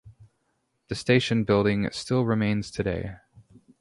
The station building still remains today.